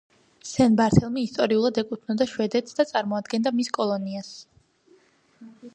სენ-ბართელმი ისტორიულად ეკუთვნოდა შვედეთს და წარმოადგენდა მის კოლონიას.